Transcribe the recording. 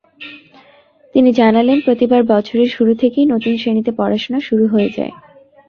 তিনি জানালেন, প্রতিবার বছরের শুরু থেকেই নতুন শ্রেণীতে পড়াশোনা শুরু হয়ে যায়।